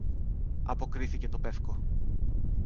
αποκρίθηκε το πεύκο.